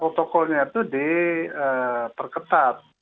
protokolnya itu diperketat